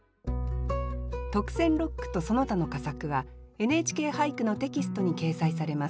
特選六句とその他の佳作は「ＮＨＫ俳句」のテキストに掲載されます。